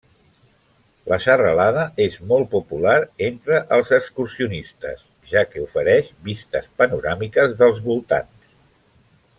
La serralada és molt popular entre els excursionistes, ja que ofereix vistes panoràmiques dels voltants.